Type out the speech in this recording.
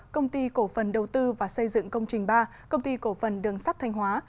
công ty cổ phần đầu tư và xây dựng công trình ba công ty cổ phần đường sắt thanh hóa